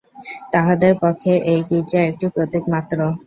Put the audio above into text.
তাহাদের পক্ষে এই গির্জা একটি প্রতীকমাত্র।